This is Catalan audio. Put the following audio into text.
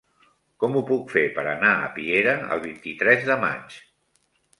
Com ho puc fer per anar a Piera el vint-i-tres de maig?